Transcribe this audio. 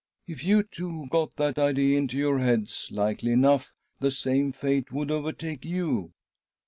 If you two got that idea into your heads, likely enough the same fate would overtake you."